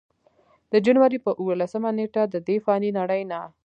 د جنورۍ پۀ اولسمه نېټه ددې فانې نړۍ نه